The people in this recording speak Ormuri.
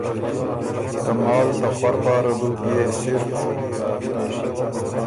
ته مال ته خؤر پاره بُو بيې صِرف